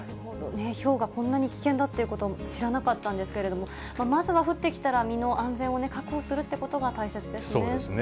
ひょうがこんなに危険だということ、知らなかったんですけれども、まずは降ってきたら、身の安全を確保するってことが大そうですね。